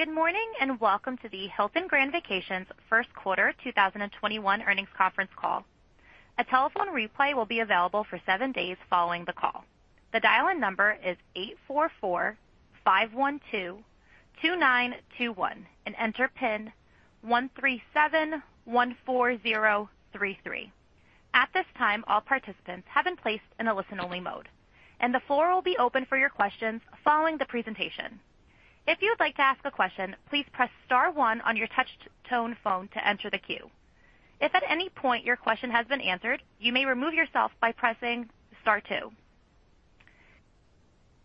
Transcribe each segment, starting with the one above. Good morning and welcome to the Hilton Grand Vacations Q1 2021 Earnings Conference Call. A telephone replay will be available for seven days following the call. The dial-in number is 844-512-2921 and enter PIN 13714033. At this time, all participants have been placed in a listen-only mode, and the floor will be open for your questions following the presentation. If you would like to ask a question, please press star one on your touch-tone phone to enter the queue. If at any point your question has been answered, you may remove yourself by pressing star two.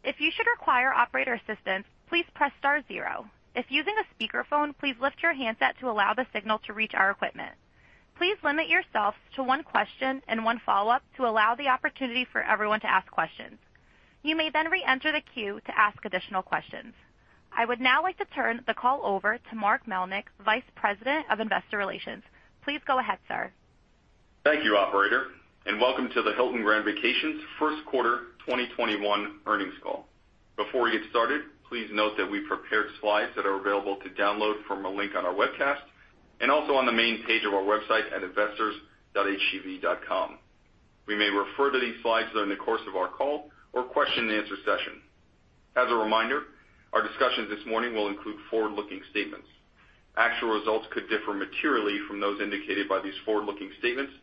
If you should require operator assistance, please press star zero. If using a speakerphone, please lift your handset to allow the signal to reach our equipment. Please limit yourself to one question and one follow-up to allow the opportunity for everyone to ask questions. You may then re-enter the queue to ask additional questions. I would now like to turn the call over to Mark Melnyk, VP of Investor Relations. Please go ahead, sir. Thank you, Operator, and welcome to the Hilton Grand Vacations Q1 2021 Earnings Call. Before we get started, please note that we've prepared slides that are available to download from a link on our webcast and also on the main page of our website at investors.hgv.com. We may refer to these slides during the course of our call or question-and-answer session. As a reminder, our discussions this morning will include forward-looking statements. Actual results could differ materially from those indicated by these forward-looking statements,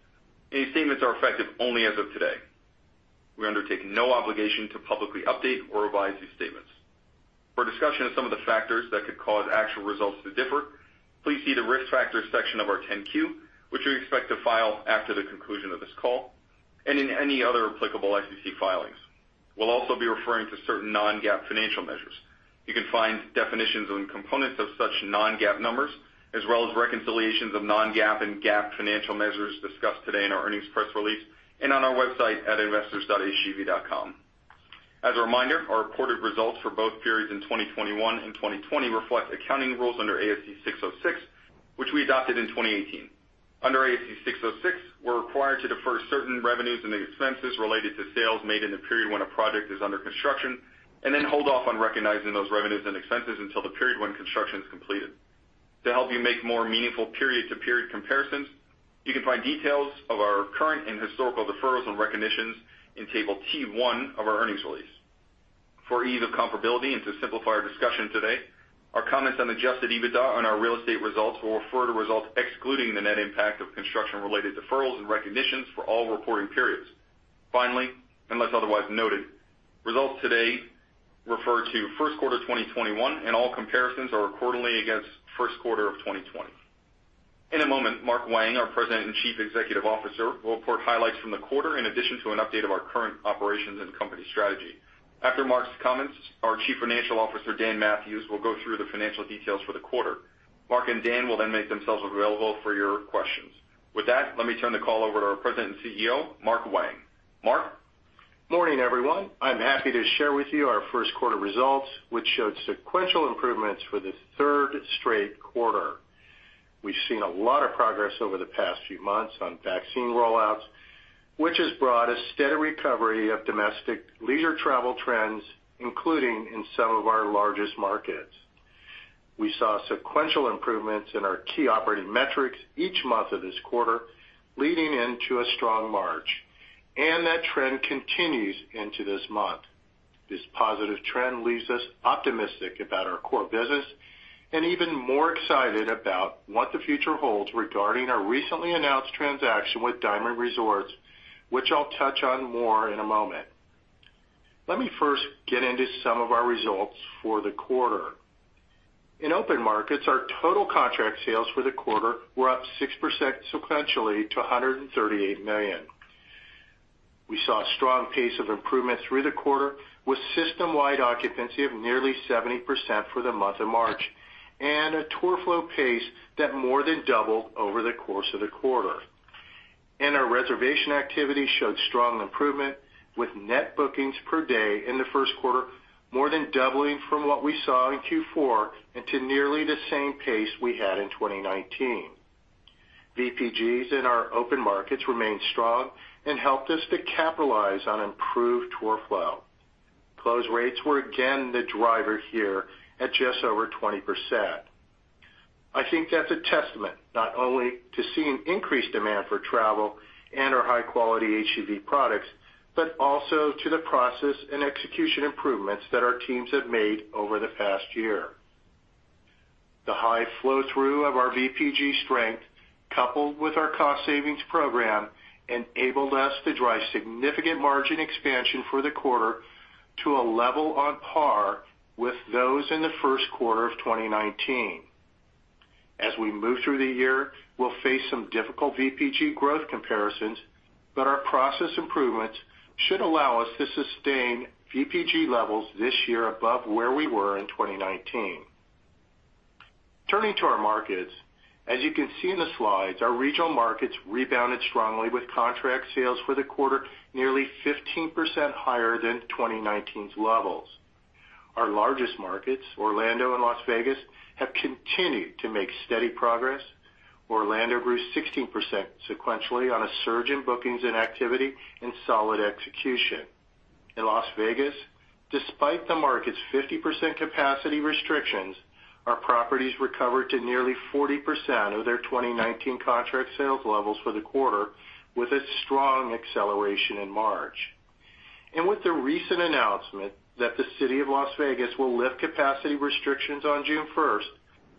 and these statements are effective only as of today. We undertake no obligation to publicly update or revise these statements. For discussion of some of the factors that could cause actual results to differ, please see the risk factors section of our 10-Q, which we expect to file after the conclusion of this call and in any other applicable SEC filings. We'll also be referring to certain non-GAAP financial measures. You can find definitions and components of such non-GAAP numbers, as well as reconciliations of non-GAAP and GAAP financial measures discussed today in our earnings press release and on our website at investors.hgv.com. As a reminder, our reported results for both periods in 2021 and 2020 reflect accounting rules under ASC 606, which we adopted in 2018. Under ASC 606, we're required to defer certain revenues and expenses related to sales made in the period when a project is under construction and then hold off on recognizing those revenues and expenses until the period when construction is completed. To help you make more meaningful period-to-period comparisons, you can find details of our current and historical deferrals and recognitions in table T1 of our earnings release. For ease of comparability and to simplify our discussion today, our comments on adjusted EBITDA and our real estate results will refer to results excluding the net impact of construction-related deferrals and recognitions for all reporting periods. Finally, unless otherwise noted, results today refer to Q1 2021, and all comparisons are accordingly against Q1 of 2020. In a moment, Mark Wang, our President and CEO, will report highlights from the quarter in addition to an update of our current operations and company strategy. After Mark's comments, our CFO, Dan Mathewes, will go through the financial details for the quarter. Mark and Dan will then make themselves available for your questions. With that, let me turn the call over to our President and CEO, Mark Wang. Mark. Good morning, everyone. I'm happy to share with you our Q1 results, which showed sequential improvements for the third straight quarter. We've seen a lot of progress over the past few months on vaccine rollouts, which has brought a steady recovery of domestic leisure travel trends, including in some of our largest markets. We saw sequential improvements in our key operating metrics each month of this quarter, leading into a strong March, and that trend continues into this month. This positive trend leaves us optimistic about our core business and even more excited about what the future holds regarding our recently announced transaction with Diamond Resorts, which I'll touch on more in a moment. Let me first get into some of our results for the quarter. In open markets, our total contract sales for the quarter were up 6% sequentially to $138 million. We saw a strong pace of improvement through the quarter with system-wide occupancy of nearly 70% for the month of March and a tour flow pace that more than doubled over the course of the quarter. Our reservation activity showed strong improvement with net bookings per day in the first quarter more than doubling from what we saw in Q4 and to nearly the same pace we had in 2019. VPGs in our open markets remained strong and helped us to capitalize on improved tour flow. Close rates were again the driver here at just over 20%. I think that's a testament not only to seeing increased demand for travel and our high-quality HGV products, but also to the process and execution improvements that our teams have made over the past year. The high flow-through of our VPG strength, coupled with our cost savings program, enabled us to drive significant margin expansion for the quarter to a level on par with those in the first quarter of 2019. As we move through the year, we'll face some difficult VPG growth comparisons, but our process improvements should allow us to sustain VPG levels this year above where we were in 2019. Turning to our markets, as you can see in the slides, our regional markets rebounded strongly with contract sales for the quarter nearly 15% higher than 2019's levels. Our largest markets, Orlando and Las Vegas, have continued to make steady progress. Orlando grew 16% sequentially on a surge in bookings and activity and solid execution. In Las Vegas, despite the market's 50% capacity restrictions, our properties recovered to nearly 40% of their 2019 contract sales levels for the quarter with a strong acceleration in March. With the recent announcement that the City of Las Vegas will lift capacity restrictions on June 1st,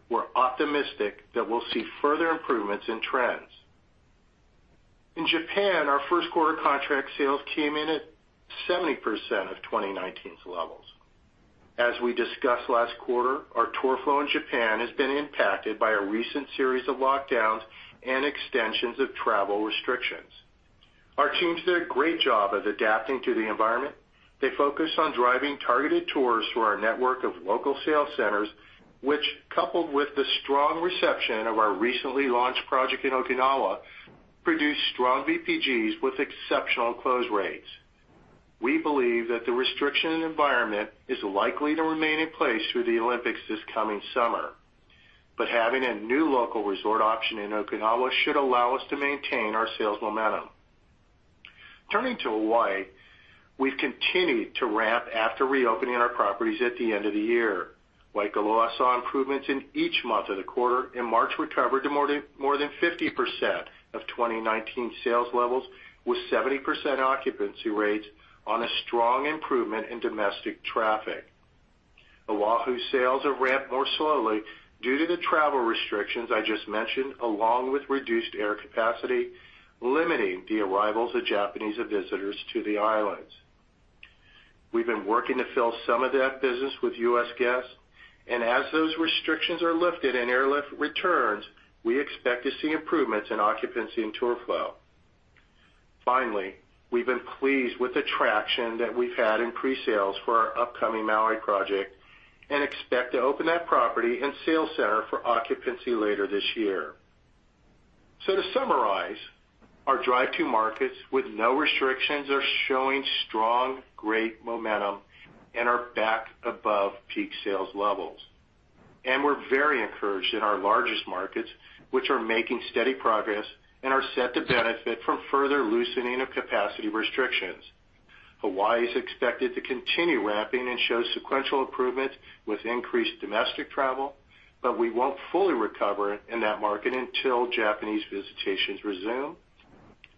we're optimistic that we'll see further improvements in trends. In Japan, our first quater contract sales came in at 70% of 2019's levels. As we discussed last quarter, our tour flow in Japan has been impacted by a recent series of lockdowns and extensions of travel restrictions. Our teams did a great job of adapting to the environment. They focused on driving targeted tours through our network of local sales centers, which, coupled with the strong reception of our recently launched project in Okinawa, produced strong VPGs with exceptional close rates. We believe that the restrictive environment is likely to remain in place through the Olympics this coming summer, but having a new local resort option in Okinawa should allow us to maintain our sales momentum. Turning to Hawaii, we've continued to ramp after reopening our properties at the end of the year. Waikoloa saw improvements in each month of the quarter, and March recovered to more than 50% of 2019's sales levels with 70% occupancy rates on a strong improvement in domestic traffic. O'ahu's sales have ramped more slowly due to the travel restrictions I just mentioned, along with reduced air capacity limiting the arrivals of Japanese visitors to the islands. We've been working to fill some of that business with U.S. guests, and as those restrictions are lifted and airlift returns, we expect to see improvements in occupancy and tour flow. Finally, we've been pleased with the traction that we've had in pre-sales for our upcoming Maui project and expect to open that property and sales center for occupancy later this year. So to summarize, our drive-to markets with no restrictions are showing strong, great momentum and are back above peak sales levels. We're very encouraged in our largest markets, which are making steady progress and are set to benefit from further loosening of capacity restrictions. Hawaii is expected to continue ramping and show sequential improvements with increased domestic travel, but we won't fully recover in that market until Japanese visitations resume,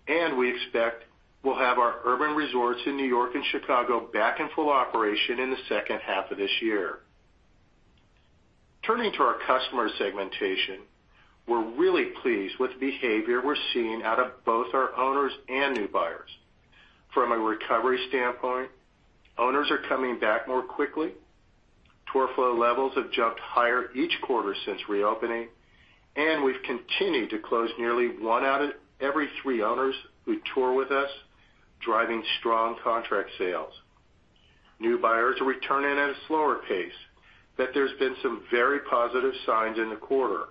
and we expect we'll have our urban resorts in New York and Chicago back in full operation in the second half of this year. Turning to our Customer segmentation, we're really pleased with the behavior we're seeing out of both our owners and new buyers. From a recovery standpoint, owners are coming back more quickly. Tour flow levels have jumped higher each quarter since reopening, and we've continued to close nearly one out of every three owners who tour with us, driving strong contract sales. New buyers are returning at a slower pace, but there's been some very positive signs in the quarter.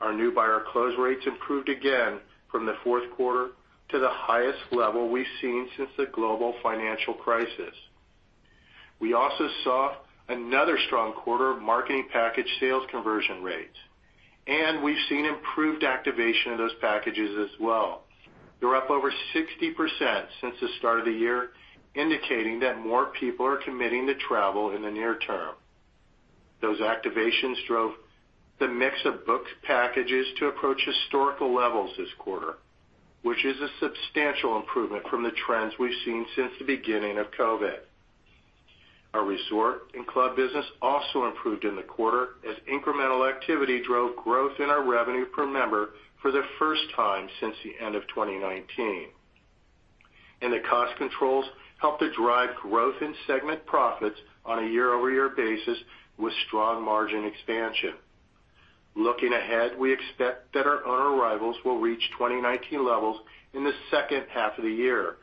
Our new buyer close rates improved again from the fourth quarter to the highest level we've seen since the global financial crisis. We also saw another strong quarter of marketing package sales conversion rates, and we've seen improved activation of those packages as well. They're up over 60% since the start of the year, indicating that more people are committing to travel in the near term. Those activations drove the mix of booked packages to approach historical levels this quarter, which is a substantial improvement from the trends we've seen since the beginning of COVID. Our Resort and Club business also improved in the quarter as incremental activity drove growth in our revenue per member for the first time since the end of 2019. The cost controls helped to drive growth in segment profits on a year-over-year basis with strong margin expansion. Looking ahead, we expect that our owner arrivals will reach 2019 levels in the second half of the year,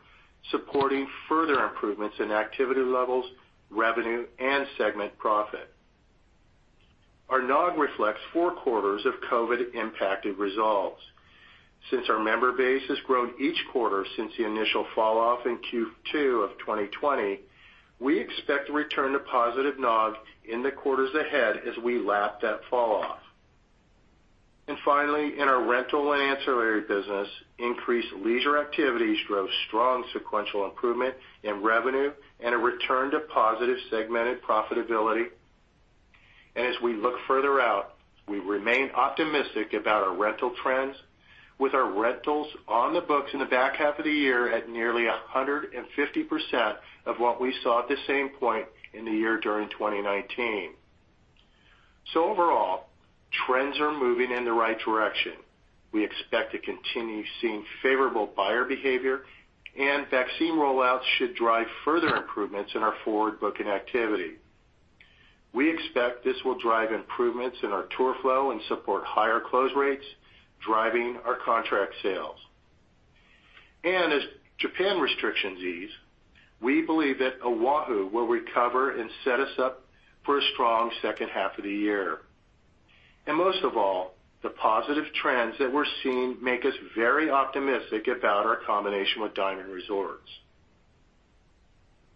supporting further improvements in activity levels, revenue, and segment profit. Our NOG reflects four quarters of COVID-impacted results. Since our member base has grown each quarter since the initial falloff in Q2 of 2020, we expect a return to positive NOG in the quarters ahead as we lap that falloff. Finally, in our Rental and Ancillary business, increased leisure activities drove strong sequential improvement in revenue and a return to positive segmented profitability. As we look further out, we remain optimistic about our rental trends, with our rentals on the books in the back half of the year at nearly 150% of what we saw at the same point in the year during 2019. Overall, trends are moving in the right direction. We expect to continue seeing favorable buyer behavior, and vaccine rollouts should drive further improvements in our forward-looking activity. We expect this will drive improvements in our tour flow and support higher close rates, driving our contract sales. As Japan restrictions ease, we believe that O'ahu will recover and set us up for a strong second half of the year. Most of all, the positive trends that we're seeing make us very optimistic about our combination with Diamond Resorts.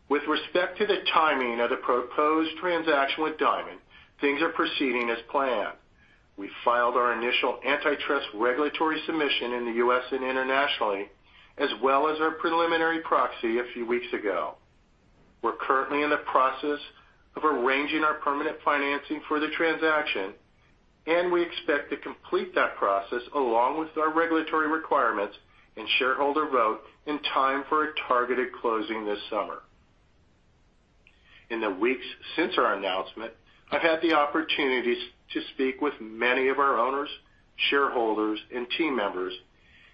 With respect to the timing of the proposed transaction with Diamond, things are proceeding as planned. We filed our initial antitrust regulatory submission in the U.S. and internationally, as well as our preliminary proxy a few weeks ago. We're currently in the process of arranging our permanent financing for the transaction, and we expect to complete that process along with our regulatory requirements and shareholder vote in time for a targeted closing this summer. In the weeks since our announcement, I've had the opportunity to speak with many of our owners, shareholders, and team members,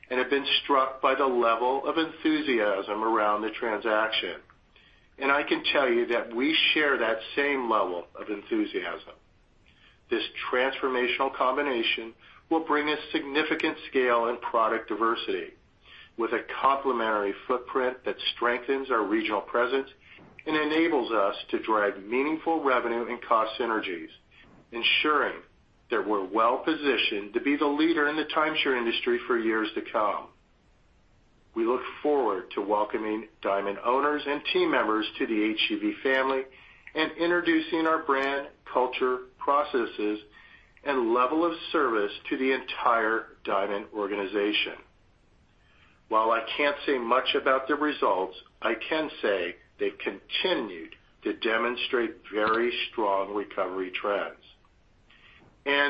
and have been struck by the level of enthusiasm around the transaction. I can tell you that we share that same level of enthusiasm. This transformational combination will bring a significant scale and product diversity, with a complementary footprint that strengthens our regional presence and enables us to drive meaningful revenue and cost synergies, ensuring that we're well-positioned to be the leader in the timeshare industry for years to come. We look forward to welcoming Diamond owners and team members to the HGV family and introducing our brand, culture, processes, and level of service to the entire Diamond organization. While I can't say much about the results, I can say they've continued to demonstrate very strong recovery trends.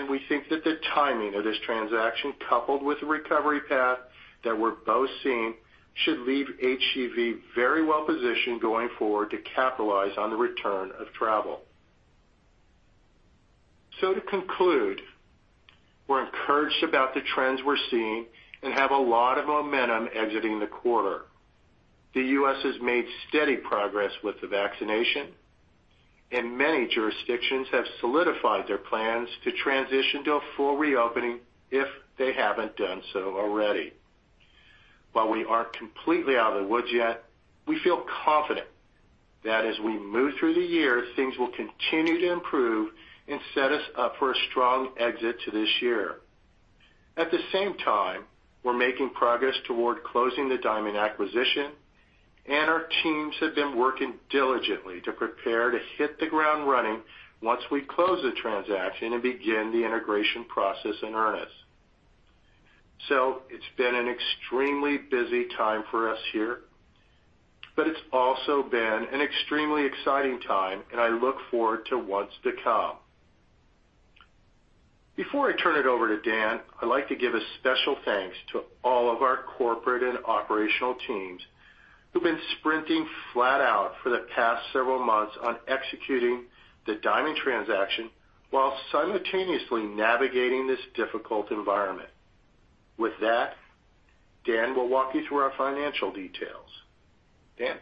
We think that the timing of this transaction, coupled with the recovery path that we're both seeing, should leave HGV very well-positioned going forward to capitalize on the return of travel. So to conclude, we're encouraged about the trends we're seeing and have a lot of momentum exiting the quarter. The U.S. has made steady progress with the vaccination, and many jurisdictions have solidified their plans to transition to a full reopening if they haven't done so already. While we aren't completely out of the woods yet, we feel confident that as we move through the year, things will continue to improve and set us up for a strong exit to this year. At the same time, we're making progress toward closing the Diamond acquisition, and our teams have been working diligently to prepare to hit the ground running once we close the transaction and begin the integration process in earnest. So it's been an extremely busy time for us here, but it's also been an extremely exciting time, and I look forward to what's to come. Before I turn it over to Dan, I'd like to give a special thanks to all of our corporate and operational teams who've been sprinting flat out for the past several months on executing the Diamond transaction while simultaneously navigating this difficult environment. With that, Dan will walk you through our financial details. Dan?.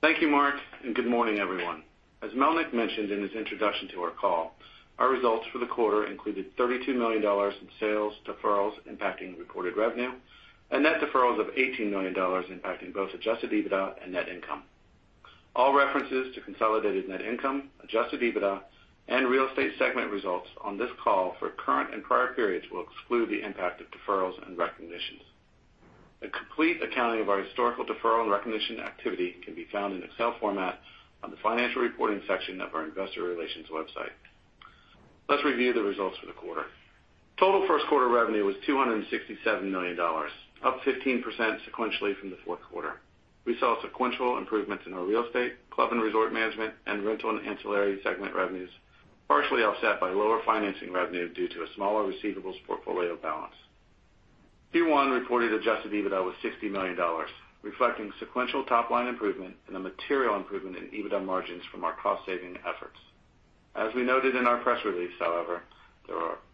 Thank you, Mark, and good morning, everyone. As Melnyk mentioned in his introduction to our call, our results for the quarter included $32 million in sales deferrals impacting reported revenue and net deferrals of $18 million impacting both adjusted EBITDA and net income. All references to consolidated net income, adjusted EBITDA, and Real Estate segment results on this call for current and prior periods will exclude the impact of deferrals and recognitions. A complete accounting of our historical deferral and recognition activity can be found in Excel format on the financial reporting section of our investor relations website. Let's review the results for the quarter. Total first quarter revenue was $267 million, up 15% sequentially from the fourth quarter. We saw sequential improvements in our Real Estate, Club and Resort Management, and Rental and Ancillary segment revenues, partially offset by lower financing revenue due to a smaller receivables portfolio balance. Q1 reported adjusted EBITDA was $60 million, reflecting sequential top-line improvement and a material improvement in EBITDA margins from our cost-saving efforts. As we noted in our press release, however,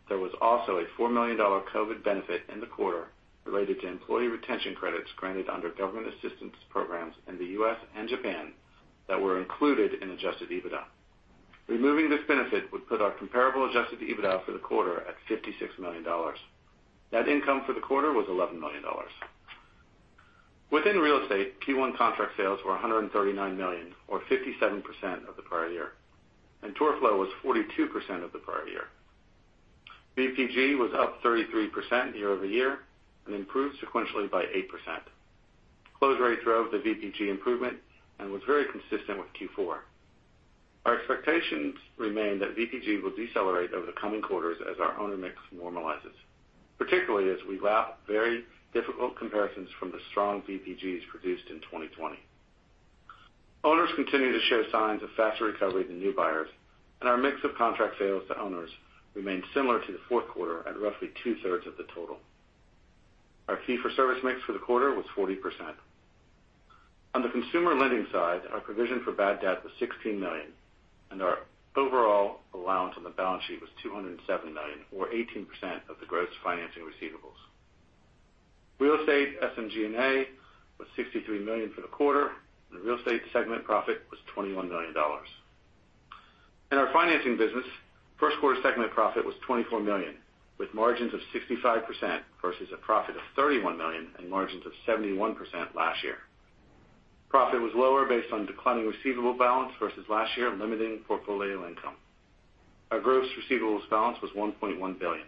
there was also a $4 million COVID benefit in the quarter related to employee retention credits granted under government assistance programs in the U.S. and Japan that were included in Adjusted EBITDA. Removing this benefit would put our comparable adjusted EBITDA for the quarter at $56 million. Net income for the quarter was $11 million. Within real estate, Q1 contract sales were $139 million, or 57% of the prior year, and tour flow was 42% of the prior year. VPG was up 33% year-over-year and improved sequentially by 8%. Close rates drove the VPG improvement and was very consistent with Q4. Our expectations remain that VPG will decelerate over the coming quarters as our owner mix normalizes, particularly as we lap very difficult comparisons from the strong VPGs produced in 2020. Owners continue to show signs of faster recovery than new buyers, and our mix of contract sales to owners remained similar to the fourth quarter at roughly 2/3 of the total. Our fee-for-service mix for the quarter was 40%. On the consumer lending side, our provision for bad debt was $16 million, and our overall allowance on the balance sheet was $207 million, or 18% of the gross financing receivables. Real estate SMG&A was $63 million for the quarter, and Real Estate segment profit was $21 million. In our Financing business, first quarter segment profit was $24 million, with margins of 65% versus a profit of $31 million and margins of 71% last year. Profit was lower based on declining receivable balance versus last year limiting portfolio income. Our gross receivables balance was $1.1 billion.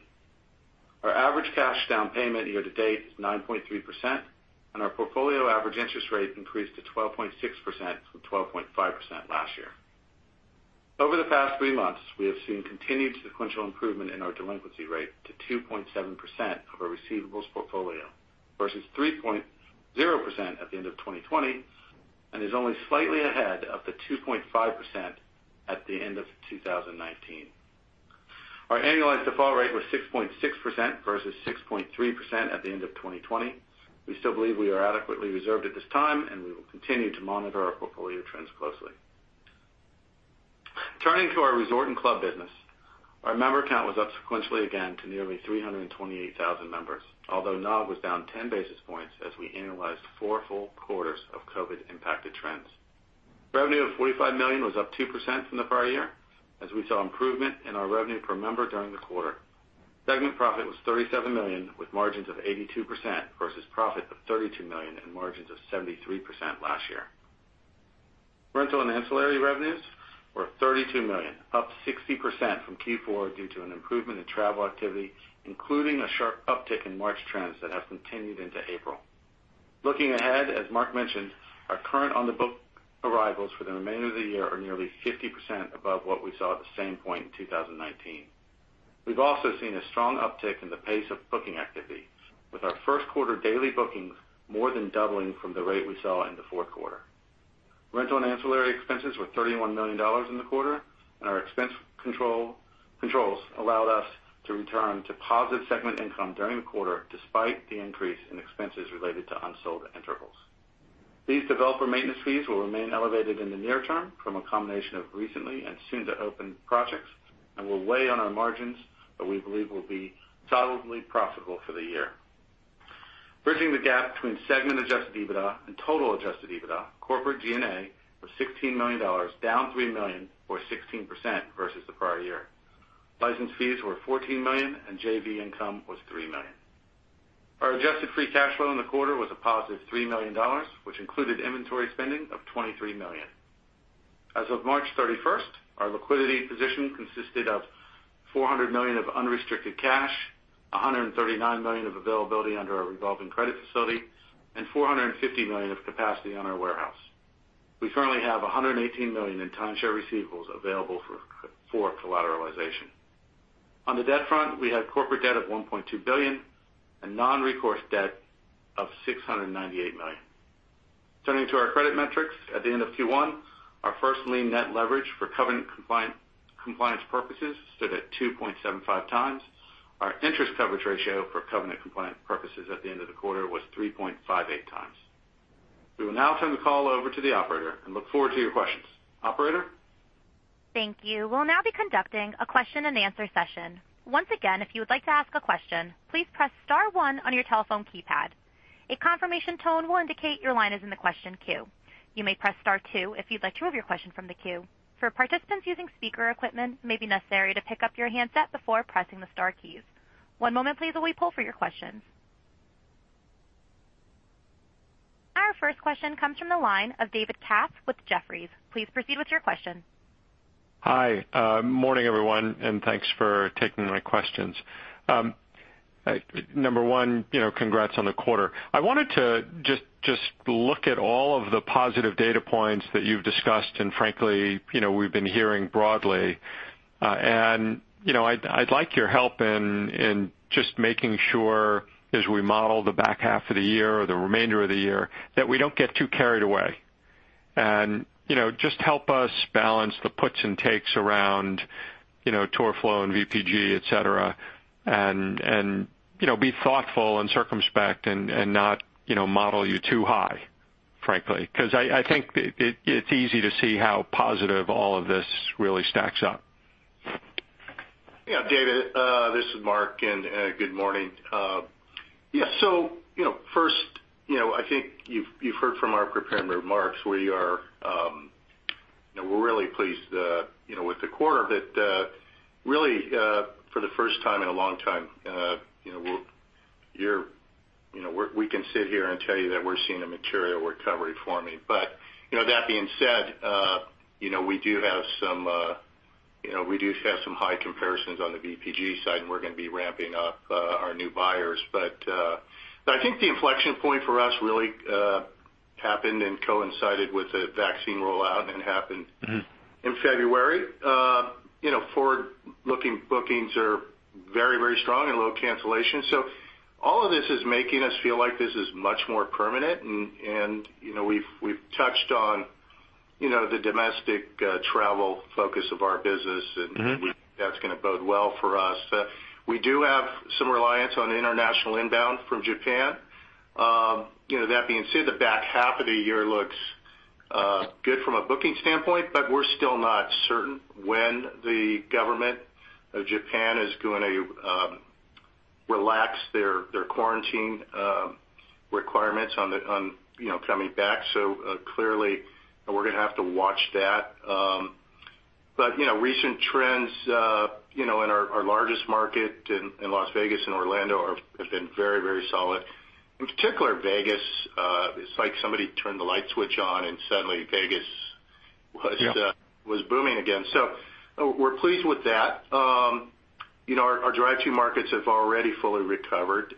Our average cash down payment year-to-date is 9.3%, and our portfolio average interest rate increased to 12.6% from 12.5% last year. Over the past three months, we have seen continued sequential improvement in our delinquency rate to 2.7% of our receivables portfolio versus 3.0% at the end of 2020, and is only slightly ahead of the 2.5% at the end of 2019. Our annualized default rate was 6.6% versus 6.3% at the end of 2020. We still believe we are adequately reserved at this time, and we will continue to monitor our portfolio trends closely. Turning to our resort and club business, our member count was up sequentially again to nearly 328,000 members, although NOG was down 10 basis points as we annualized four full quarters of COVID-impacted trends. Revenue of $45 million was up 2% from the prior year, as we saw improvement in our revenue per member during the quarter. Segment profit was $37 million, with margins of 82% versus profit of $32 million and margins of 73% last year. Rental and Ancillary revenues were $32 million, up 60% from Q4 due to an improvement in travel activity, including a sharp uptick in March trends that have continued into April. Looking ahead, as Mark mentioned, our current on-the-book arrivals for the remainder of the year are nearly 50% above what we saw at the same point in 2019. We've also seen a strong uptick in the pace of booking activity, with our first quarter daily bookings more than doubling from the rate we saw in the fourth quarter. Rental and Ancillary expenses were $31 million in the quarter, and our expense controls allowed us to return to positive segment income during the quarter despite the increase in expenses related to unsold intervals. These developer maintenance fees will remain elevated in the near term from a combination of recently and soon-to-open projects and will weigh on our margins, but we believe will be solidly profitable for the year. Bridging the gap between segment adjusted EBITDA and total adjusted EBITDA, corporate G&A was $16 million, down $3 million, or 16% versus the prior year. License fees were $14 million, and JV income was $3 million. Our adjusted free cash flow in the quarter was a positive $3 million, which included inventory spending of $23 million. As of March 31st, our liquidity position consisted of $400 million of unrestricted cash, $139 million of availability under our revolving credit facility, and $450 million of capacity on our warehouse. We currently have $118 million in timeshare receivables available for collateralization. On the debt front, we had corporate debt of $1.2 billion and non-recourse debt of $698 million. Turning to our credit metrics, at the end of Q1, our first lien net leverage for covenant compliance purposes stood at 2.75x. Our interest coverage ratio for covenant compliance purposes at the end of the quarter was 3.58x. We will now turn the call over to the operator and look forward to your questions. Operator? Thank you. We'll now be conducting a question-and-answer session. Once again, if you would like to ask a question, please press star one on your telephone keypad. A confirmation tone will indicate your line is in the question queue. You may press star two if you'd like to move your question from the queue. For participants using speaker equipment, it may be necessary to pick up your handset before pressing the star keys. One moment, please, while we pull for your questions. Our first question comes from the line of David Katz with Jefferies. Please proceed with your question. Hi. Morning, everyone, and thanks for taking my questions. Number one, congrats on the quarter. I wanted to just look at all of the positive data points that you've discussed and, frankly, we've been hearing broadly. I'd like your help in just making sure, as we model the back half of the year or the remainder of the year, that we don't get too carried away. Just help us balance the puts and takes around tour flow and VPG, etc., and be thoughtful and circumspect and not model you too high, frankly, because I think it's easy to see how positive all of this really stacks up. Yeah, David, this is Mark, and good morning. Yeah, so first, I think you've heard from our prepared remarks. We are really pleased with the quarter that, really, for the first time in a long time, we can sit here and tell you that we're seeing a material recovery forming. But that being said, we do have some high comparisons on the VPG side, and we're going to be ramping up our new buyers. But I think the inflection point for us really happened and coincided with the vaccine rollout and happened in February. Forward-looking bookings are very, very strong and low cancellation. So all of this is making us feel like this is much more permanent, and we've touched on the domestic travel focus of our business, and that's going to bode well for us. We do have some reliance on international inbound from Japan. That being said, the back half of the year looks good from a booking standpoint, but we're still not certain when the government of Japan is going to relax their quarantine requirements on coming back. So clearly, we're going to have to watch that. But recent trends in our largest market in Las Vegas and Orlando have been very, very solid. In particular, Vegas, it's like somebody turned the light switch on, and suddenly Vegas was booming again. So we're pleased with that..our drive-to markets have already fully recovered.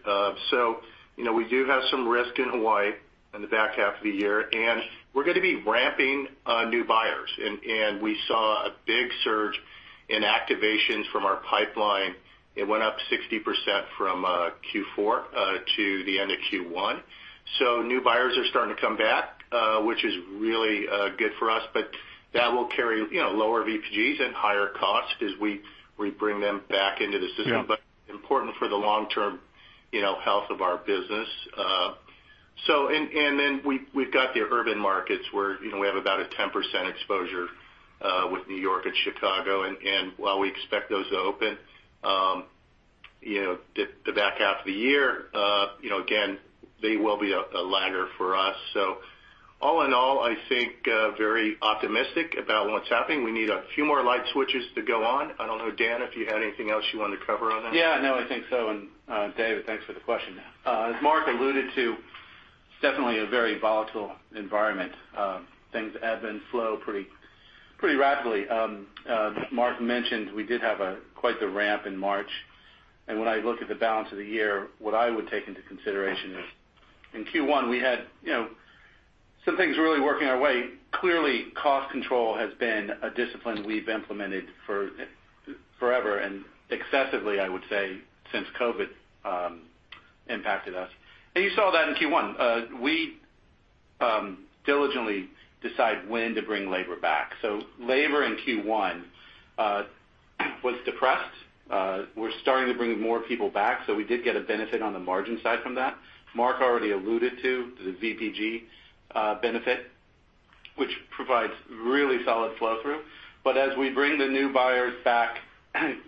So we do have some risk in Hawaii in the back half of the year, and we're going to be ramping new buyers. And we saw a big surge in activations from our pipeline. It went up 60% from Q4 to the end of Q1. So new buyers are starting to come back, which is really good for us, but that will carry lower VPGs and higher costs as we bring them back into the system. But it's important for the long-term health of our business and then we've got the urban markets where we have about a 10% exposure with New York and Chicago and while we expect those to open the back half of the year, again, they will be a lagger for us. So all in all, I think very optimistic about what's happening. We need a few more light switches to go on. I don't know, Dan, if you had anything else you wanted to cover on that. Yeah, no, I think so. David, thanks for the question. As Mark alluded to, it's definitely a very volatile environment. Things ebb and flow pretty rapidly. Mark mentioned we did have quite the ramp in March. When I look at the balance of the year, what I would take into consideration is in Q1, we had some things really working our way. Clearly, cost control has been a discipline we've implemented forever and excessively, I would say, since COVID impacted us. You saw that in Q1. We diligently decide when to bring labor back. Labor in Q1 was depressed. We're starting to bring more people back, so we did get a benefit on the margin side from that. Mark already alluded to the VPG benefit, which provides really solid flow-through. As we bring the new buyers back,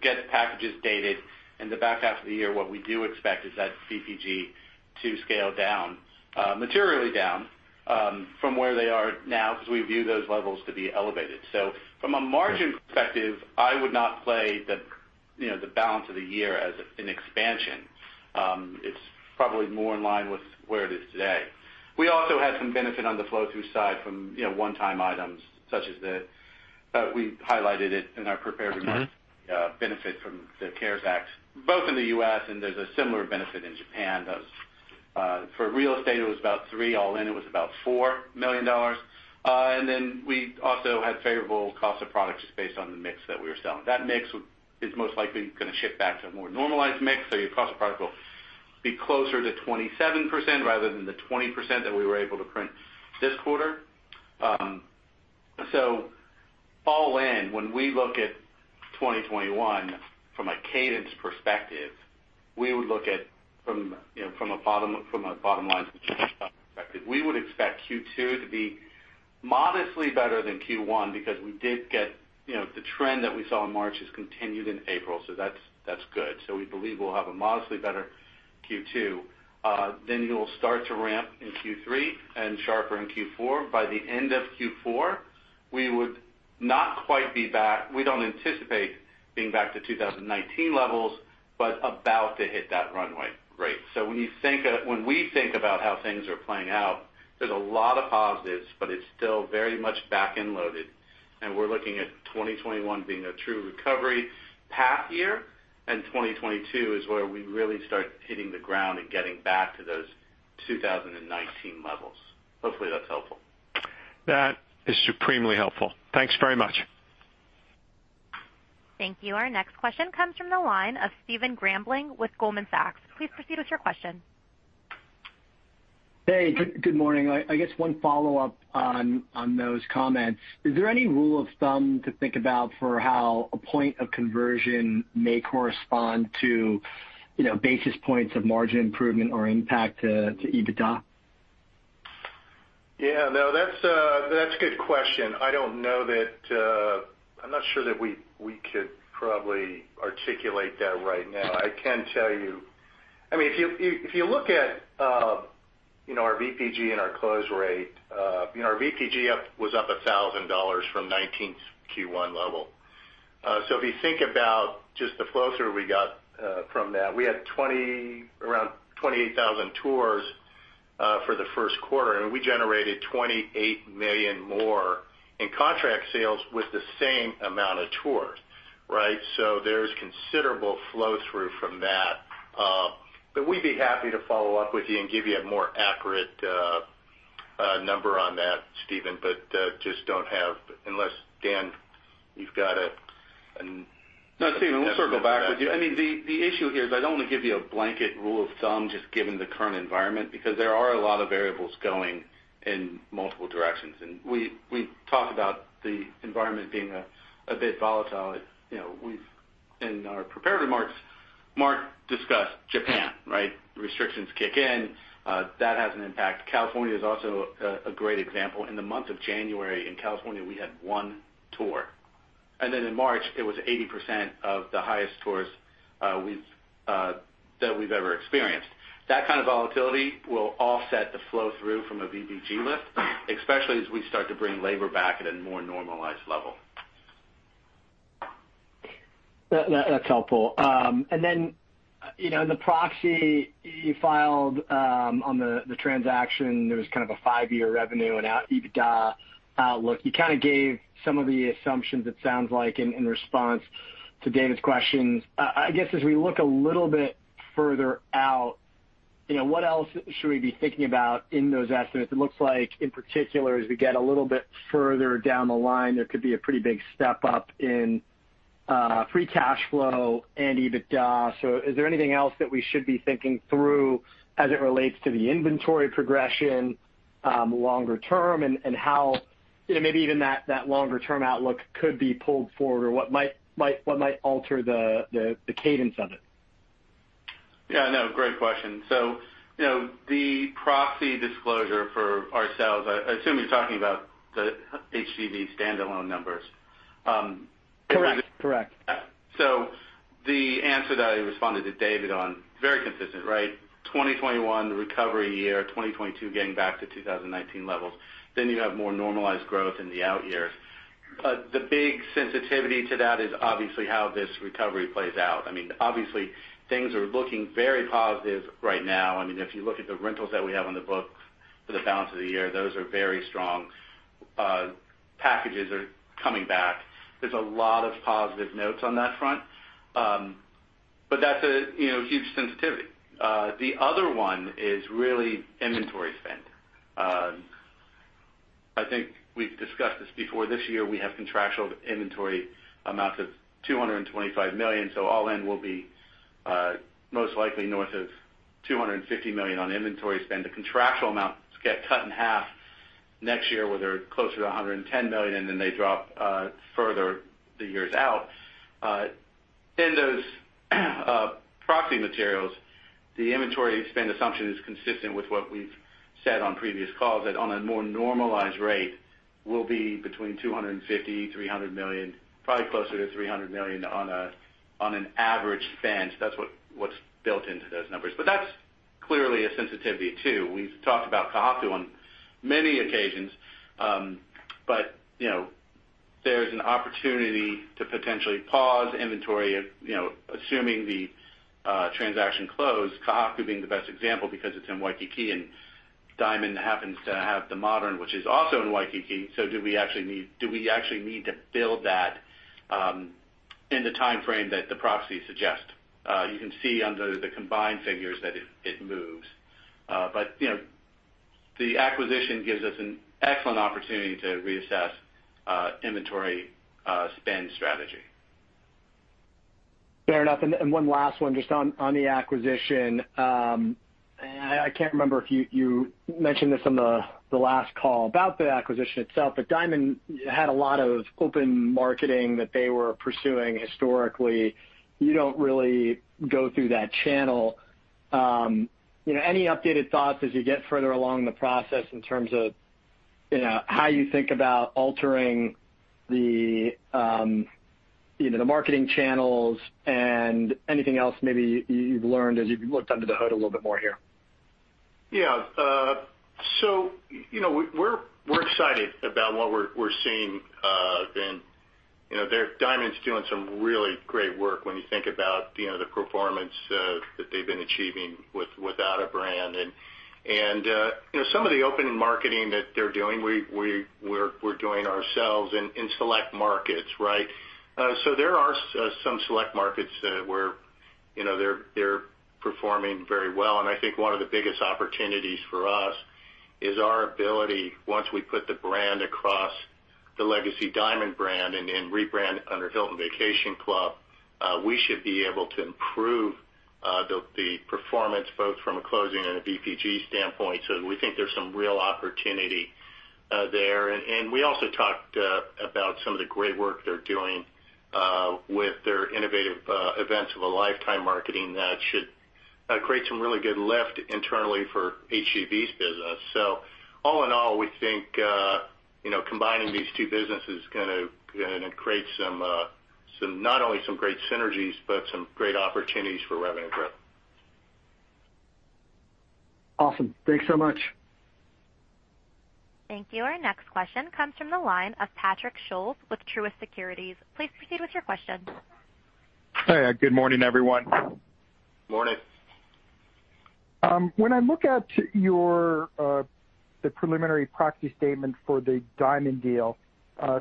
get packages dated, in the back half of the year, what we do expect is that VPG to scale down, materially down from where they are now because we view those levels to be elevated. So from a margin perspective, I would not play the balance of the year as an expansion. It's probably more in line with where it is today. We also had some benefit on the flow-through side from one-time items such as the, we highlighted it in our prepared remarks, benefit from the CARES Act, both in the U.S., and there's a similar benefit in Japan. For real estate, it was about $3 million; all in, it was about $4 million. And then we also had favorable cost of product just based on the mix that we were selling. That mix is most likely going to shift back to a more normalized mix, so your cost of product will be closer to 27% rather than the 20% that we were able to print this quarter. So all in, when we look at 2021 from a cadence perspective, we would look at from a bottom-line perspective. We would expect Q2 to be modestly better than Q1 because we did get the trend that we saw in March has continued in April, so that's good. So we believe we'll have a modestly better Q2. Then you'll start to ramp in Q3 and sharper in Q4. By the end of Q4, we would not quite be back. We don't anticipate being back to 2019 levels, but about to hit that runway rate. So when we think about how things are playing out, there's a lot of positives, but it's still very much back and loaded. And we're looking at 2021 being a true recovery path year, and 2022 is where we really start hitting the ground and getting back to those 2019 levels. Hopefully, that's helpful. That is supremely helpful. Thanks very much. Thank you. Our next question comes from the line of Stephen Grambling with Goldman Sachs. Please proceed with your question. Hey, good morning. I guess one follow-up on those comments. Is there any rule of thumb to think about for how a point of conversion may correspond to basis points of margin improvement or impact to EBITDA? Yeah, no, that's a good question. I don't know that I'm not sure that we could probably articulate that right now. I can tell you, I mean, if you look at our VPG and our close rate, our VPG was up $1,000 from 2019 Q1 level. So if you think about just the flow-through we got from that, we had around 28,000 tours for the first quarter, and we generated $28 million more in contract sales with the same amount of tours, right? So there's considerable flow-through from that. But we'd be happy to follow up with you and give you a more accurate number on that, Stephen, but just don't have, unless, Dan, you've got a..... No, Stephen, we'll circle back with you. I mean, the issue here is I don't want to give you a blanket rule of thumb just given the current environment because there are a lot of variables going in multiple directions. We talked about the environment being a bit volatile. In our prepared remarks, Mark discussed Japan, right? Restrictions kick in. That has an impact. California is also a great example. In the month of January in California, we had one tour. Then in March, it was 80% of the highest tours that we've ever experienced. That kind of volatility will offset the flow-through from a VPG lift, especially as we start to bring labor back at a more normalized level. That's helpful. Then in the proxy you filed on the transaction, there was kind of a five-year revenue and EBITDA outlook. You kind of gave some of the assumptions, it sounds like, in response to David's questions. I guess as we look a little bit further out, what else should we be thinking about in those estimates? It looks like, in particular, as we get a little bit further down the line, there could be a pretty big step up in free cash flow and EBITDA. So is there anything else that we should be thinking through as it relates to the inventory progression longer term and how maybe even that longer-term outlook could be pulled forward or what might alter the cadence of it? Yeah, no, great question. So the proxy disclosure for ourselves, I assume you're talking about the HGV standalone numbers. Correct. Correct. So the answer that I responded to David on, very consistent, right? 2021, the recovery year, 2022 getting back to 2019 levels. Then you have more normalized growth in the out years. But the big sensitivity to that is obviously how this recovery plays out. I mean, obviously, things are looking very positive right now. I mean, if you look at the rentals that we have on the book for the balance of the year, those are very strong. Packages are coming back. There's a lot of positive notes on that front. But that's a huge sensitivity. The other one is really inventory spend. I think we've discussed this before. This year, we have contractual inventory amounts of $225 million. So all in will be most likely north of $250 million on inventory spend. The contractual amounts get cut in half next year, where they're closer to $110 million, and then they drop further the years out. In those proxy materials, the inventory spend assumption is consistent with what we've said on previous calls that on a more normalized rate will be between $250 million-$300 million, probably closer to $300 million on an average spend. That's what's built into those numbers. But that's clearly a sensitivity too. We've talked about Ka Haku on many occasions, but there's an opportunity to potentially pause inventory, assuming the transaction close, Ka Haku being the best example because it's in Waikīkī and Diamond happens to have The Modern, which is also in Waikīkī. So do we actually need to build that in the timeframe that the proxies suggest? You can see under the combined figures that it moves. But the acquisition gives us an excellent opportunity to reassess inventory spend strategy. Fair enough. One last one, just on the acquisition. I can't remember if you mentioned this on the last call about the acquisition itself, but Diamond had a lot of open marketing that they were pursuing historically. You don't really go through that channel. Any updated thoughts as you get further along the process in terms of how you think about altering the marketing channels and anything else maybe you've learned as you've looked under the hood a little bit more here? Yeah. So we're excited about what we're seeing then. Diamond's doing some really great work when you think about the performance that they've been achieving without a brand. And some of the open marketing that they're doing, we're doing ourselves in select markets, right? So there are some select markets where they're performing very well. And I think one of the biggest opportunities for us is our ability, once we put the brand across the legacy Diamond brand and rebrand under Hilton Vacation Club, we should be able to improve the performance both from a closing and a VPG standpoint. So we think there's some real opportunity there. And we also talked about some of the great work they're doing with their innovative Events of a Lifetime marketing that should create some really good lift internally for HGV's business. So all in all, we think combining these two businesses is going to create not only some great synergies, but some great opportunities for revenue growth. Awesome. Thanks so much. Thank you. Our next question comes from the line of Patrick Scholes with Truist Securities. Please proceed with your question. Hey, good morning, everyone. Morning. When I look at the preliminary proxy statement for the Diamond deal,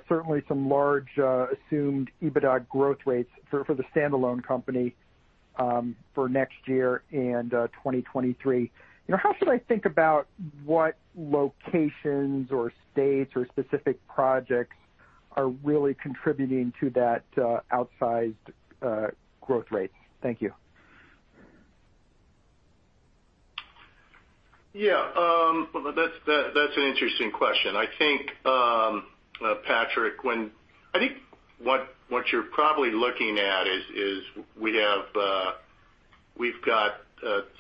certainly some large assumed EBITDA growth rates for the standalone company for next year and 2023. How should I think about what locations or states or specific projects are really contributing to that outsized growth rate? Thank you. Yeah. Well, that's an interesting question. I think, Patrick, when I think what you're probably looking at is we've got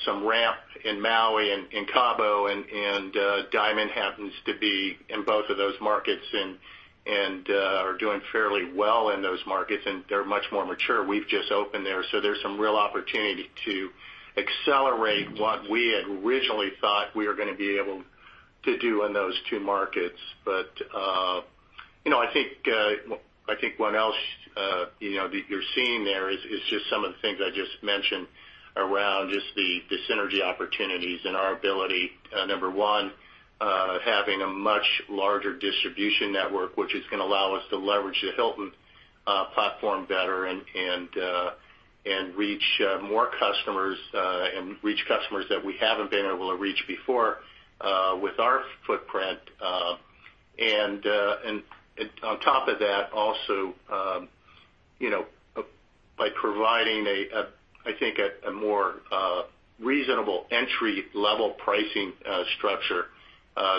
some ramp in Maui and Cabo, and Diamond happens to be in both of those markets and are doing fairly well in those markets, and they're much more mature. We've just opened there. So there's some real opportunity to accelerate what we had originally thought we were going to be able to do in those two markets. But I think one other that you're seeing there is just some of the things I just mentioned around just the synergy opportunities and our ability, number one, having a much larger distribution network, which is going to allow us to leverage the Hilton platform better and reach more customers and reach customers that we haven't been able to reach before with our footprint. And on top of that, also by providing, I think, a more reasonable entry-level pricing structure,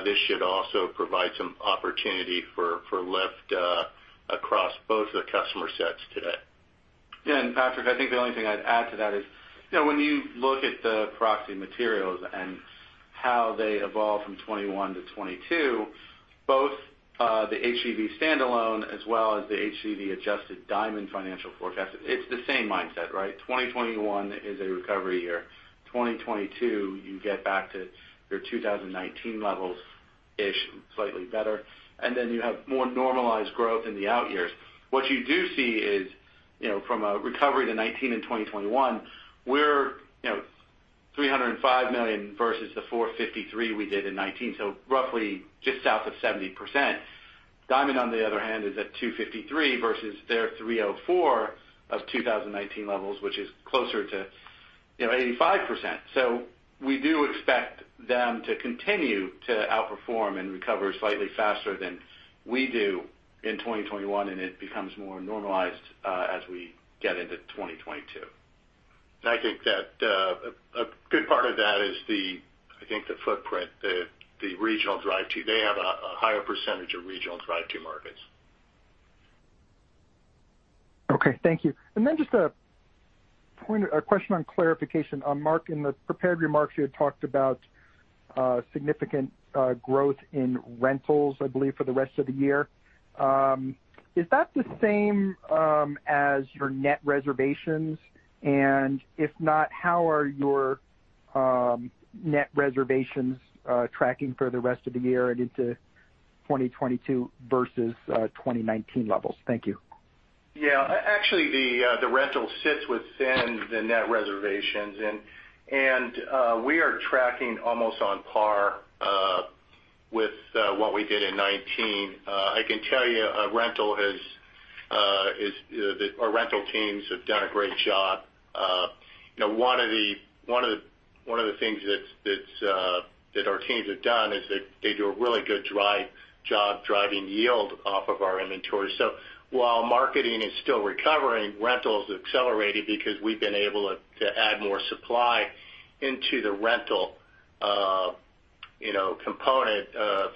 this should also provide some opportunity for lift across both of the customer sets today. And Patrick, I think the only thing I'd add to that is when you look at the proxy materials and how they evolve from 2021 to 2022, both the HGV standalone as well as the HGV adjusted Diamond financial forecast, it's the same mindset, right? 2021 is a recovery year. 2022, you get back to your 2019 levels-ish, slightly better. And then you have more normalized growth in the out years. What you do see is from a recovery to 2019 and 2021, we're $305 million versus the $453 million we did in 2019, so roughly just south of 70%. Diamond, on the other hand, is at $253 million versus their $304 million of 2019 levels, which is closer to 85%. So we do expect them to continue to outperform and recover slightly faster than we do in 2021, and it becomes more normalized as we get into 2022. And I think that a good part of that is, I think, the footprint, the regional drive-through. They have a higher percentage of regional drive-through markets. Okay. Thank you and then just a question on clarification. Mark, in the prepared remarks, you had talked about significant growth in Rentals, I believe, for the rest of the year. Is that the same as your net reservations? And if not, how are your net reservations tracking for the rest of the year and into 2022 versus 2019 levels? Thank you. Yeah. Actually, the rentals sit within the net reservations, and we are tracking almost on par with what we did in 2019. I can tell you our Rental teams have done a great job. One of the things that our teams have done is that they do a really good job driving yield off of our inventory. So while marketing is still recovering, rentals have accelerated because we've been able to add more supply into the Rental component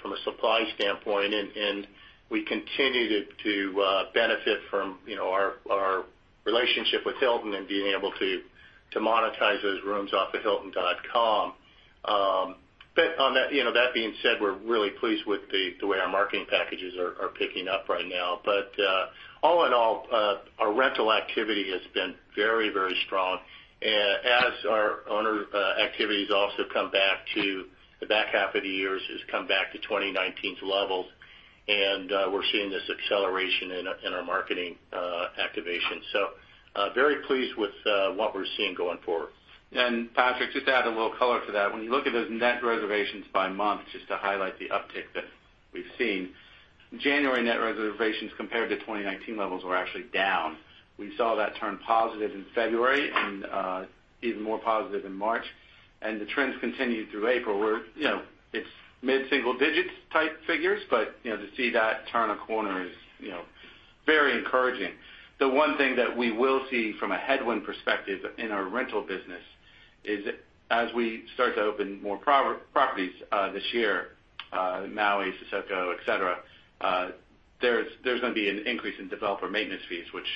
from a supply standpoint, and we continue to benefit from our relationship with Hilton and being able to monetize those rooms off of Hilton.com. But that being said, we're really pleased with the way our marketing packages are picking up right now. But all in all, our Rental activity has been very, very strong. As our owner activities also come back to the back half of the years, it's come back to 2019's levels, and we're seeing this acceleration in our marketing activation. So very pleased with what we're seeing going forward. And Patrick, just to add a little color to that, when you look at those net reservations by month, just to highlight the uptick that we've seen, January net reservations compared to 2019 levels were actually down. We saw that turn positive in February and even more positive in March. And the trends continue through April. It's mid-single-digit type figures, but to see that turn a corner is very encouraging. The one thing that we will see from a headwind perspective in our Rental business is, as we start to open more properties this year, Maui, Sesoko, etc., there's going to be an increase in developer maintenance fees, which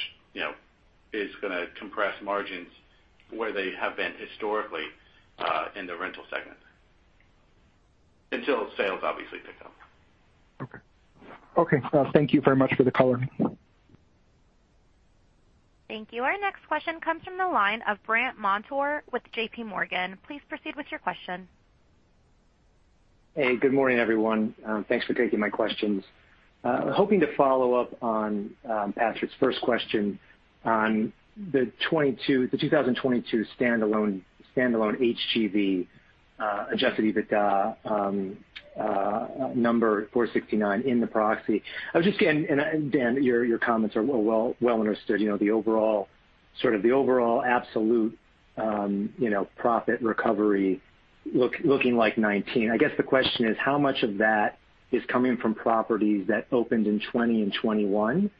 is going to compress margins where they have been historically in the Rental segment until sales, obviously, pick up. Okay. Okay. Thank you very much for the color. Thank you. Our next question comes from the line of Brandt Montour with JPMorgan. Please proceed with your question. Hey, good morning, everyone. Thanks for taking my questions. Hoping to follow up on Patrick's first question on the 2022 standalone HGV adjusted EBITDA number $469 in the proxy. I was just getting—and Dan, your comments are well understood. The overall sort of the overall absolute profit recovery looking like 2019. I guess the question is, how much of that is coming from properties that opened in 2020 and 2021?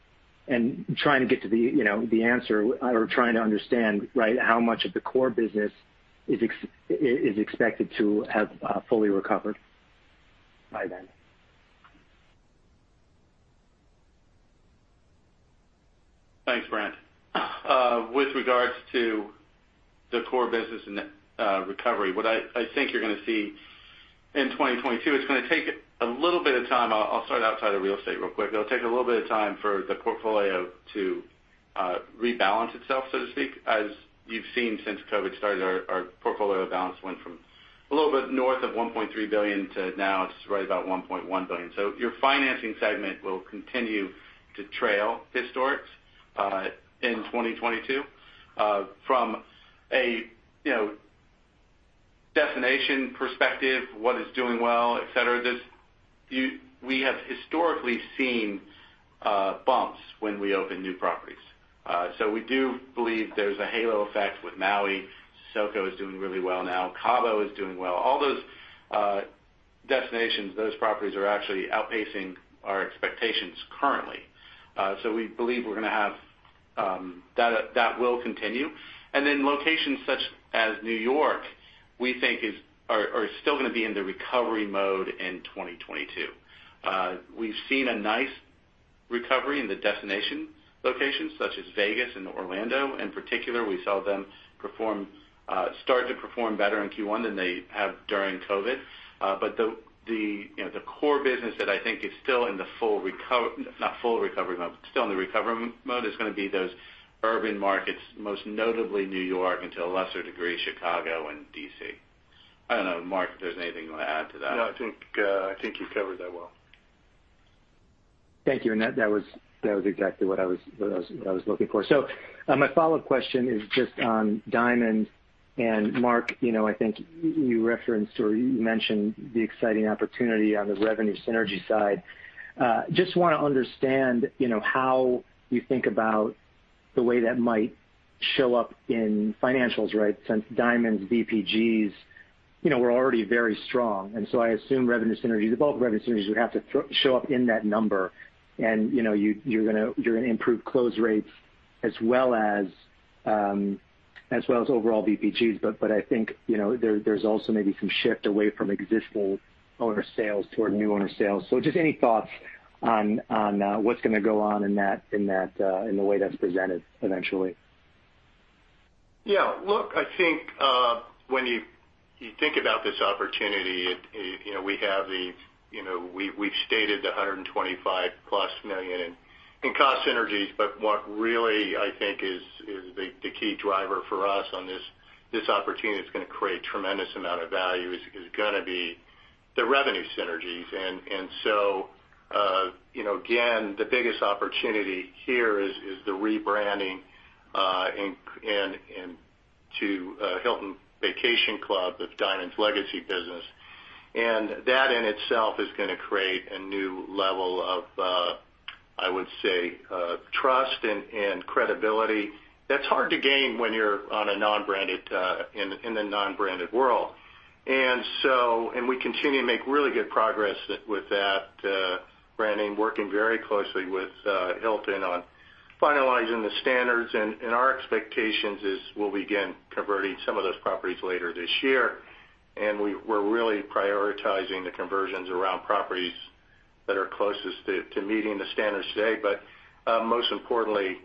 And trying to get to the answer or trying to understand, right, how much of the core business is expected to have fully recovered by then? Thanks, Brent. With regards to the core business and recovery, what I think you're going to see in 2022, it's going to take a little bit of time. I'll start outside of Real Estate real quick. It'll take a little bit of time for the portfolio to rebalance itself, so to speak. As you've seen since COVID started, our portfolio balance went from a little bit north of $1.3 billion to now it's right about $1.1 billion. So your Financing segment will continue to trail historicals in 2022. From a destination perspective, what is doing well, etc., we have historically seen bumps when we open new properties. So we do believe there's a halo effect with Maui. Sesoko is doing really well now. Cabo is doing well. All those destinations, those properties are actually outpacing our expectations currently. So we believe we're going to have that will continue and then locations such as New York, we think, are still going to be in the recovery mode in 2022. We've seen a nice recovery in the destination locations such as Vegas and Orlando. In particular, we saw them start to perform better in Q1 than they have during COVID. But the core business that I think is still in the full recovery mode, still in the recovery mode, is going to be those urban markets, most notably New York and to a lesser degree, Chicago and D.C. I don't know, Mark, if there's anything you want to add to that. No, I think you covered that well. Thank you. And that was exactly what I was looking for. So my follow-up question is just on Diamond. And Mark, I think you referenced or you mentioned the exciting opportunity on the revenue synergy side. Just want to understand how you think about the way that might show up in financials, right, since Diamond's VPGs were already very strong. And so I assume revenue synergies, both revenue synergies, would have to show up in that number. And you're going to improve close rates as well as overall VPGs. But I think there's also maybe some shift away from existing owner sales toward new owner sales. So just any thoughts on what's going to go on in the way that's presented eventually? Yeah. Look, I think when you think about this opportunity, we've stated the $125+ million in cost synergies. But what really, I think, is the key driver for us on this opportunity that's going to create a tremendous amount of value is going to be the revenue synergies and so, again, the biggest opportunity here is the rebranding to Hilton Vacation Club of Diamond's legacy business. That in itself is going to create a new level of, I would say, trust and credibility that's hard to gain when you're in the non-branded world. We continue to make really good progress with that branding, working very closely with Hilton on finalizing the standards. Our expectations is we'll begin converting some of those properties later this year. We're really prioritizing the conversions around properties that are closest to meeting the standards today. But most importantly,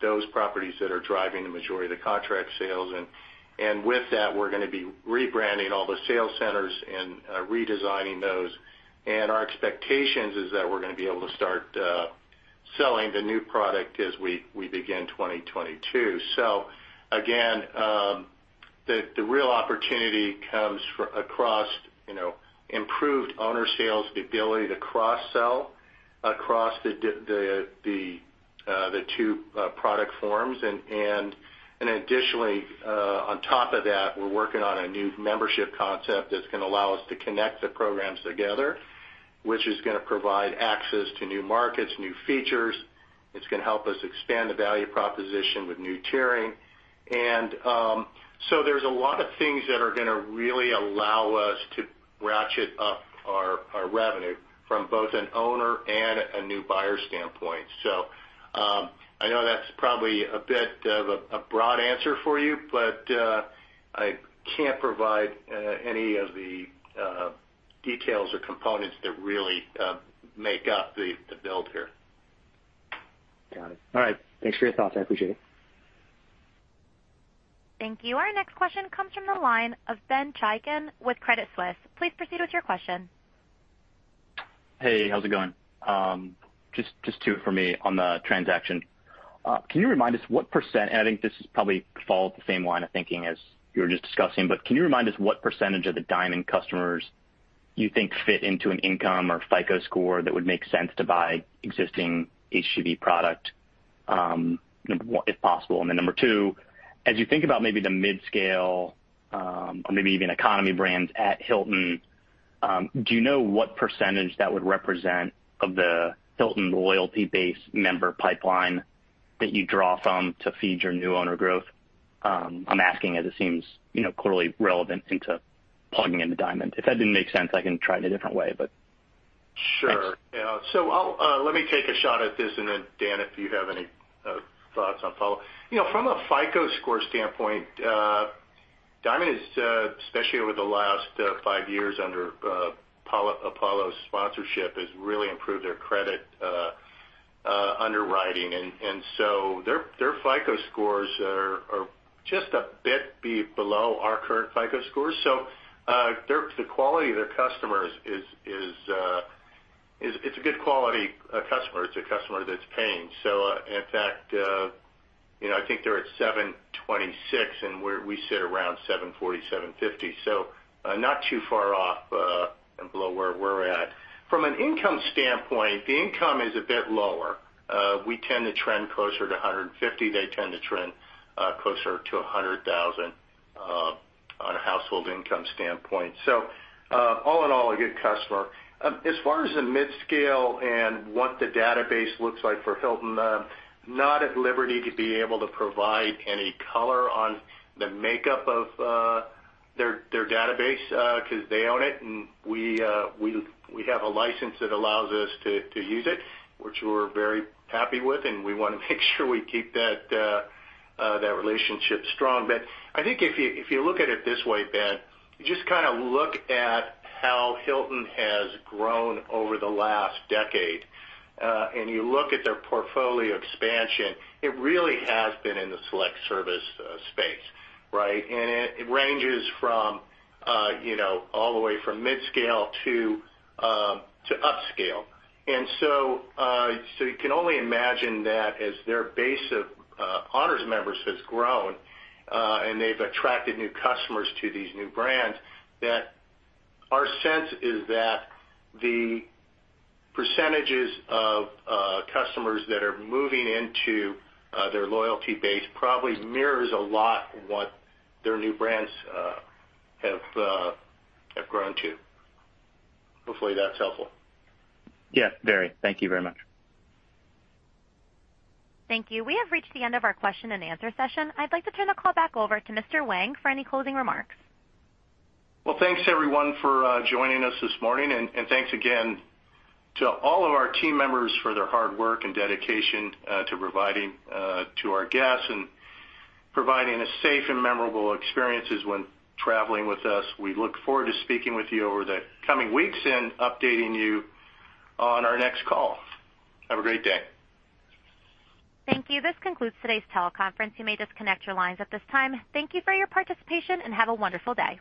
those properties that are driving the majority of the contract sales. With that, we're going to be rebranding all the sales centers and redesigning those. Our expectation is that we're going to be able to start selling the new product as we begin 2022. So again, the real opportunity comes across improved owner sales, the ability to cross-sell across the two product forms. Additionally, on top of that, we're working on a new membership concept that's going to allow us to connect the programs together, which is going to provide access to new markets, new features. It's going to help us expand the value proposition with new tiering. And so there's a lot of things that are going to really allow us to ratchet up our revenue from both an owner and a new buyer standpoint. So I know that's probably a bit of a broad answer for you, but I can't provide any of the details or components that really make up the build here. Got it. All right. Thanks for your thoughts. I appreciate it. Thank you. Our next question comes from the line of Ben Chaiken with Credit Suisse. Please proceed with your question. Hey, how's it going? Just two for me on the transaction. Can you remind us what percent—and I think this is probably followed the same line of thinking as you were just discussing—but can you remind us what percentage of the Diamond customers you think fit into an income or FICO score that would make sense to buy existing HGV product if possible? And then number two, as you think about maybe the mid-scale or maybe even economy brands at Hilton, do you know what percentage that would represent of the Hilton loyalty-based member pipeline that you draw from to feed your new owner growth? I'm asking as it seems clearly relevant into plugging into Diamond. If that didn't make sense, I can try it a different way, but. Sure. Yeah. So let me take a shot at this. And then, Dan, if you have any thoughts on follow-up. From a FICO score standpoint, Diamond has, especially over the last five years under Apollo's sponsorship, really improved their credit underwriting. So their FICO scores are just a bit below our current FICO scores. So the quality of their customers is, it's a good quality customer. It's a customer that's paying. So in fact, I think they're at 726, and we sit around 740, 750. So not too far off and below where we're at. From an income standpoint, the income is a bit lower. We tend to trend closer to $150,000. They tend to trend closer to $100,000 on a household income standpoint. So all in all, a good customer. As far as the mid-scale and what the database looks like for Hilton, I'm not at liberty to be able to provide any color on the makeup of their database because they own it, and we have a license that allows us to use it, which we're very happy with and we want to make sure we keep that relationship strong. But I think if you look at it this way, Ben, you just kind of look at how Hilton has grown over the last decade, and you look at their portfolio expansion, it really has been in the select service space, right? And it ranges all the way from mid-scale to upscale. And so you can only imagine that as their base of Honors members has grown and they've attracted new customers to these new brands, that our sense is that the percentages of customers that are moving into their loyalty base probably mirrors a lot what their new brands have grown to. Hopefully, that's helpful. Yes, very. Thank you very much. Thank you. We have reached the end of our question-and-answer session. I'd like to turn the call back over to Mr. Wang for any closing remarks. Well, thanks, everyone, for joining us this morning and thanks again to all of our team members for their hard work and dedication to providing to our guests and providing a safe and memorable experiences when traveling with us. We look forward to speaking with you over the coming weeks and updating you on our next call. Have a great day. Thank you. This concludes today's teleconference. You may disconnect your lines at this time. Thank you for your participation and have a wonderful day.